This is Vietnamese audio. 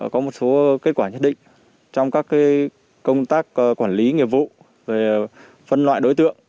có một số kết quả nhất định trong các công tác quản lý nghiệp vụ phân loại đối tượng